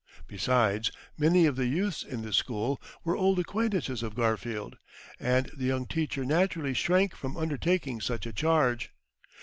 Besides, many of the youths in this school were old acquaintances of Garfield, and the young teacher naturally shrank from undertaking such a charge.